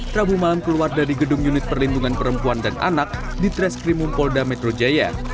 rabu malam keluar dari gedung unit perlindungan perempuan dan anak di treskrimum polda metro jaya